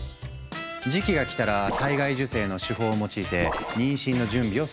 時期が来たら体外受精の手法を用いて妊娠の準備を進めていく。